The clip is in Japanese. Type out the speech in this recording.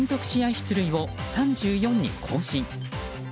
出塁を３４に更新。